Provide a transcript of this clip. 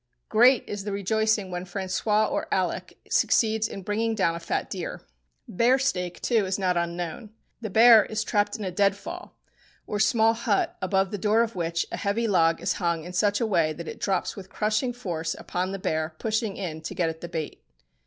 Great is the rejoicing when François or Alec succeeds in bringing down a fat deer. Bear steak, too, is not unknown. The bear is trapped in a "dead fall," or small hut above the door of which a heavy log is hung in such a way that it drops with crushing force upon the bear pushing in to get at the bait.